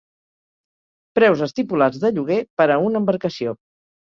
Preus estipulats de lloguer per a una embarcació.